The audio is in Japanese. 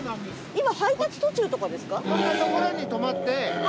今配達途中とかですか？